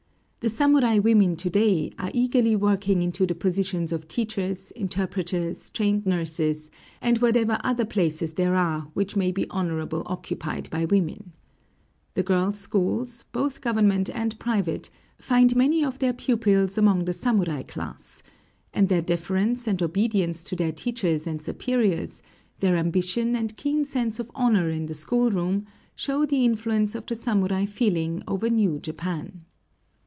The samurai women to day are eagerly working into the positions of teachers, interpreters, trained nurses, and whatever other places there are which may be honorably occupied by women. The girls' schools, both government and private, find many of their pupils among the samurai class; and their deference and obedience to their teachers and superiors, their ambition and keen sense of honor in the school room, show the influence of the samurai feeling over new Japan.